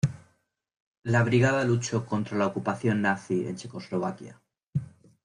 La brigada luchó contra la ocupación Nazi en Checoslovaquia.